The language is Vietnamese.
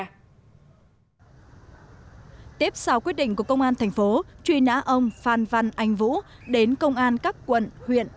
tiếp sau quyết định của công an thành phố truy nã ông phan văn anh vũ đến công an các quận huyện